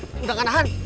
udah nggak nahan